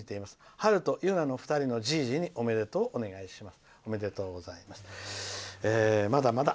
はると、ゆなの２人のじいじにおめでとうをお願いします」。